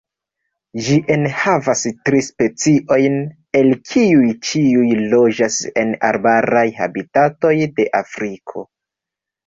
Ĝi enhavas tri speciojn, el kiuj ĉiuj loĝas en arbaraj habitatoj de Afriko.